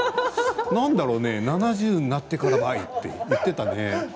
何だろうね、７０になってからばいと言っていたね。